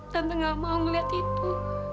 tante nggak mau melihat itu